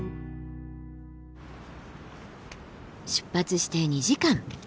出発して２時間。